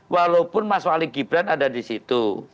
walaupun mas wali gibran ada disitu